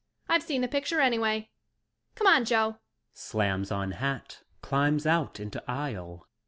I've seen the picture anyway. Cmon, Joe. (Slams on hat, climbs out into aisle.)